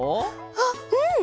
あっうん！